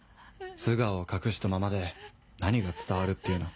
素顔を隠したままで何が伝わるっていうの？